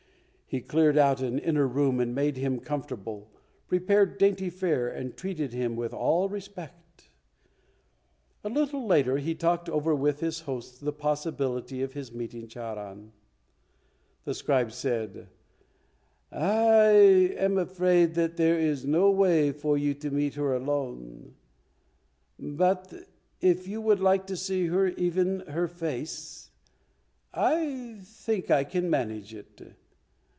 He cleared out an inner room and made him comfortable, prepared dainty fare and treated him with all respect. A little later he talked over with his host the possibility of his meeting Charan. The scribe said, "I am afraid that there is no way for you to meet her alone, but if you would like to see even her face, I think I can manage it.